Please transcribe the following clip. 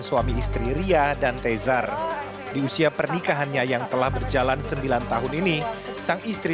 suami istri ria dan tezar di usia pernikahannya yang telah berjalan sembilan tahun ini sang istri